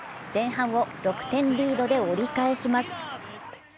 前半を６点リードで折り返します。